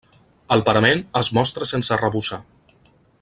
El parament es mostra sense arrebossar.